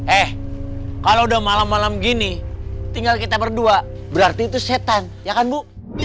eh kalau udah malam malam gini tinggal kita berdua berarti itu setan ya kan bu